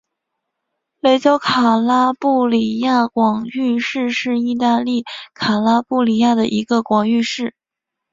雷焦卡拉布里亚广域市是意大利卡拉布里亚的一个广域市。